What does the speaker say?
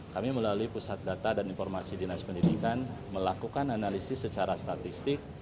kami melalui pusat data dan informasi dinas pendidikan melakukan analisis secara statistik